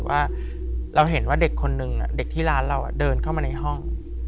ว่าเราเห็นว่าเด็กคนนึงเด็กที่ร้านเราเดินเข้ามาในห้อง